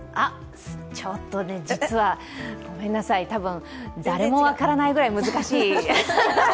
ちょっと実はごめんなさい、多分誰も分からないくらい難しい。